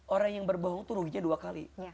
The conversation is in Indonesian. orang yang berbohong itu ruginya dua kali